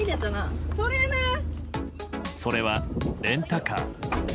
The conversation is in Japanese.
それはレンタカー。